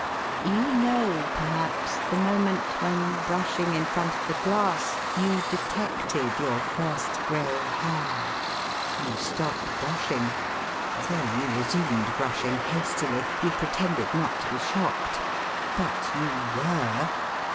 You know, perhaps, the moment when, brushing in front of the glass, you detected your first grey hair. You stopped brushing; then you resumed brushing, hastily; you pretended not to be shocked, but you were.